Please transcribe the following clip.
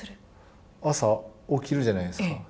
朝、起きるじゃないですか。